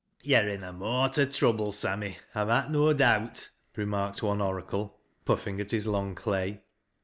" Yo're in a mort o' trouble, Sammy, I mak' no doubt,' remarked one oracle, puffing at his long clay.